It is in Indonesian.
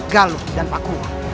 galuh dan pakua